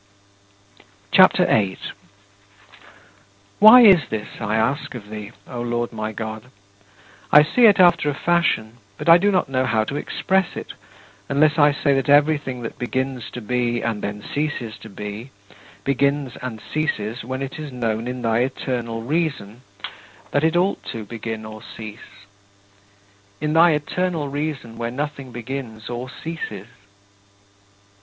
CHAPTER VIII 10. Why is this, I ask of thee, O Lord my God? I see it after a fashion, but I do not know how to express it, unless I say that everything that begins to be and then ceases to be begins and ceases when it is known in thy eternal Reason that it ought to begin or cease in thy eternal Reason where nothing begins or ceases.